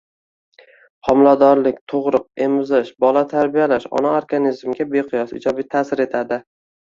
Homiladorlik, tug‘ruq, emizish, bola tarbiyalash ona organizmiga beqiyos ijobiy ta’sir etadi.